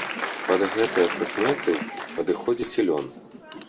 Пад гэтыя прыкметы падыходзіць і лён.